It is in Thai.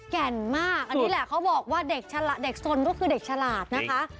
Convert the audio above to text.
แก่นมากอันนี้แหละเขาบอกว่าเด็กฉลาดเด็กสนก็คือเด็กฉลาดนะคะ